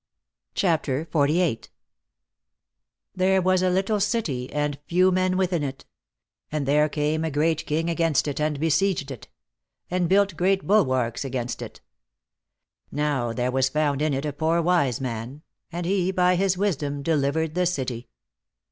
CHAPTER XLVIII There was a little city, and few men within it; And there came a great king against it, and besieged it, And built great bulwarks against it; Now there was found in it a Poor Wise Man, And he by his wisdom delivered the city.